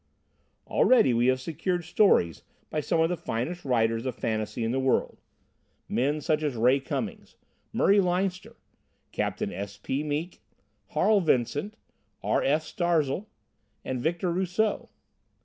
Already we have secured stories by some of the finest writers of fantasy in the world men such as Ray Cummings, Murray Leinster, Captain S. P. Meek, Harl Vincent, R. F. Starzl and Victor Rousseau.